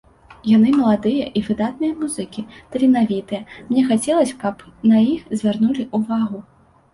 Яны маладыя і выдатныя музыкі, таленавітыя, мне хацелася б, каб на іх звярнулі ўвагу.